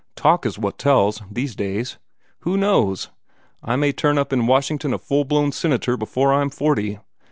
Talk is what tells, these days. Who knows? I may turn up in Washington a full blown senator before I'm forty.